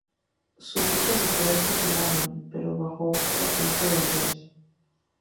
Sus luchas de poder continuaron, pero bajo el ojo atento del rey.